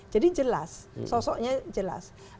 jadi jelas sosoknya jelas